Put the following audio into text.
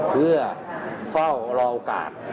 เพื่อเฝ้ารอโอกาส